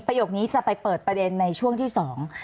นี้จะไปเปิดประเด็นในช่วงที่สอง